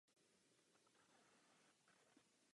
Jsou také zahrnuty do zpráv.